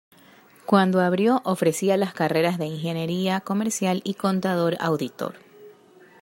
Cuando abrió, ofrecía las carreras de Ingeniería Comercial y Contador Auditor.